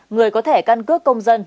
người có thể căn cước công dân